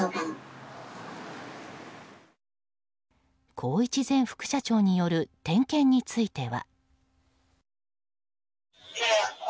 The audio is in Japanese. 宏一前副社長による点検については。